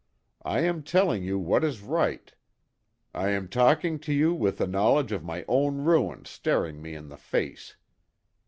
I am telling you what is right. I am talking to you with the knowledge of my own ruin staring me in the face.